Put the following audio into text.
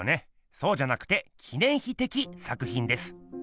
そうじゃなくて記念碑的作品です。